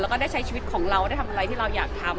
แล้วก็ได้ใช้ชีวิตของเราได้ทำอะไรที่เราอยากทำ